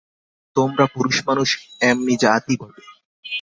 তোমরা পুরুষমানুষ এমনি জাতই বটে।